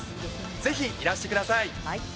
ぜひいらしてください。